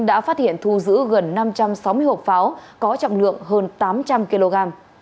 đã phát hiện thu giữ gần năm trăm sáu mươi hộp pháo có trọng lượng hơn tám trăm linh kg